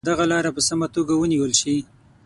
که دغه لاره په سمه توګه ونیول شي.